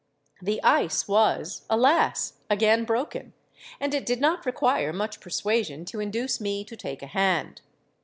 The ice was, alas! again broken; and it did not require much persuasion to induce me to take a hand.